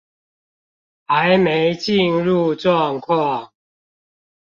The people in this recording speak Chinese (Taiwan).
還沒進入狀況